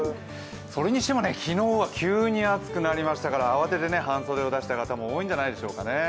それにしても昨日は急に暑くなりましたから、慌てて半袖を出した方も多いんじゃないでしょうかね。